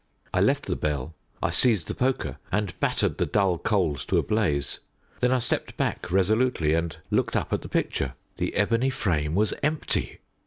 I left the bell, I seized the poker, and battered the dull coals to a blaze. Then I stepped back resolutely, and looked up at the picture. The ebony frame was empty!